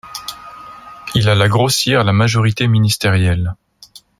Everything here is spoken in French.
Il alla grossir la majorité ministérielle.